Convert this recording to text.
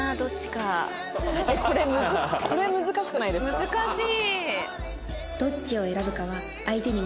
難しい。